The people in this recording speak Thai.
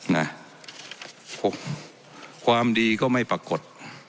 ความดีก็ไม่ปรากฏ